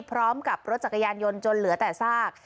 พร้อมกับรถจักรยานยนต์จนเหลือแต่ซาก